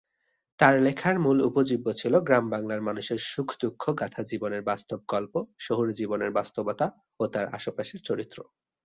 তার লেখার মূল উপজীব্য ছিল গ্রাম বাংলার মানুষের সুখ-দুঃখ গাঁথা জীবনের বাস্তব গল্প, শহুরে জীবনের বাস্তবতা ও তার আশপাশের চরিত্র।